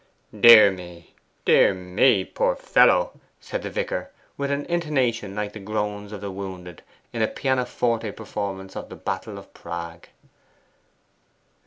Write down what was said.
'Dear me, dear me! poor fellow!' said the vicar, with an intonation like the groans of the wounded in a pianoforte performance of the 'Battle of Prague.